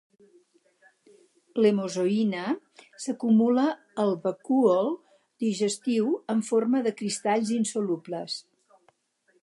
L'hemozoïna s'acumula al vacúol digestiu en forma de cristalls insolubles.